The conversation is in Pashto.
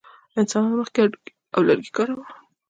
انسانانو مخکې هډوکي او لرګي کارول.